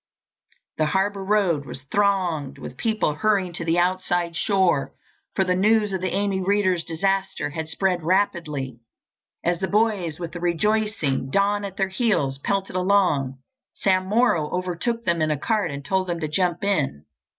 The Harbour road was thronged with people hurrying to the outside shore, for the news of the Amy Readers disaster had spread rapidly. As the boys, with the rejoicing Don at their heels, pelted along, Sam Morrow overtook them in a cart and told them to jump in.